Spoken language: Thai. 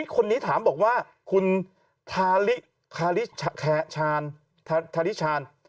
คนนี้ถามบอกว่าคุณธาริชาญ